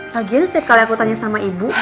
lagian setiap kali aku tanya sama ibu